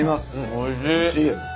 おいしい。